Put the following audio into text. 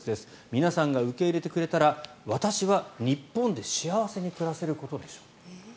皆さんが受け入れてくれたら私は日本で幸せに暮らせることでしょう。